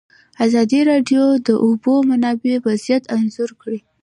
ازادي راډیو د د اوبو منابع وضعیت انځور کړی.